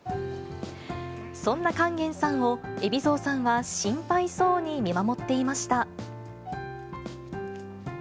そんな勸玄さんを、海老蔵さんは心配そうに見守っていました。